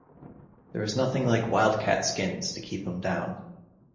There was nothing like wildcat-skins to keep him down.